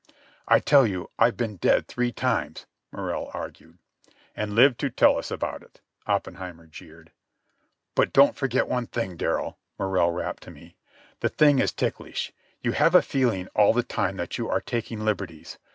"I tell you I've been dead three times," Morrell argued. "And lived to tell us about it," Oppenheimer jeered. "But don't forget one thing, Darrell," Morrell rapped to me. "The thing is ticklish. You have a feeling all the time that you are taking liberties.